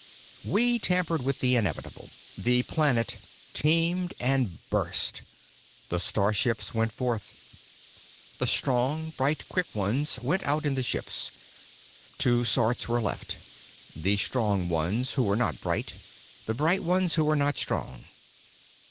"We tampered with the inevitable. "The planet teemed and burst. The starships went forth. The strong, bright, quick ones went out in the ships. Two sorts were left: The strong ones who were not bright, the bright ones who were not strong.